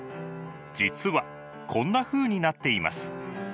実はこんなふうになっています。